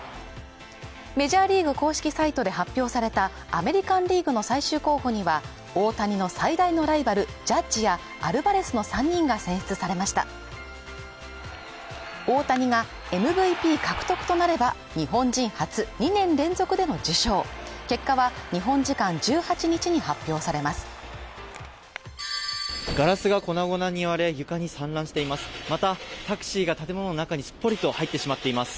メジャーリーグ公式サイトで発表されたアメリカン・リーグの最終候補には大谷の最大のライバルジャッジやアルバレスの３人が選出されました大谷がＭＶＰ獲得となれば日本人初２年連続での受賞結果は日本時間１８日に発表されますガラスが粉々に割れ床に散乱しています